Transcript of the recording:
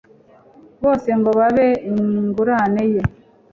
bose, ngo babe ingurane ye